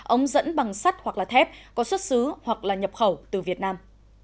ống dẫn bằng sắt hoặc là thép có xuất xứ hoặc là nhập khẩu từ việt nam